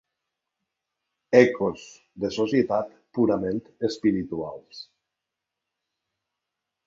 Ecos de societat purament espirituals.